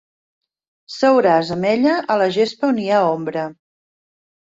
Seuràs amb ella a la gespa on hi ha ombra.